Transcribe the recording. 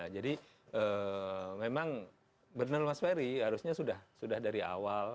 jadi memang benar mas ferry harusnya sudah dari awal